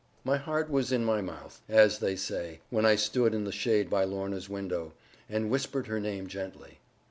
My heart was in my mouth, as they say, when I stood in the shade by Lorna's window, and whispered her name gently.